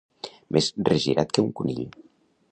Més regirat que un conill.